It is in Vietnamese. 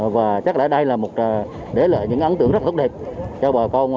và chắc là đây là một đế lợi những ấn tượng rất tốt đẹp cho bà con